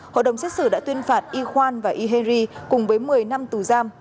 hội đồng xét xử đã tuyên phạt y khoan và y henry cùng với một mươi năm tù giam